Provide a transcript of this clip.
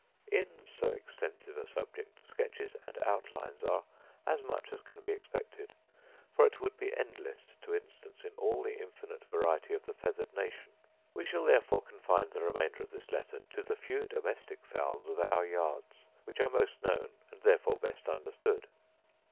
In so extensive a subject, sketches and outlines are as much as can be expected; for it would be endless to instance in all the infinite variety of the feathered nation. We shall therefore confine the remainder of this letter to the few domestic fowls of our yards, which are most known, and therefore best understood.